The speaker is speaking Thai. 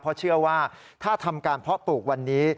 เพราะเชื่อว่าถ้าทำการเพาะปลูกวันนี้